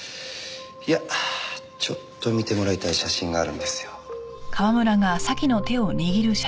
いやちょっと見てもらいたい写真があるんですよ。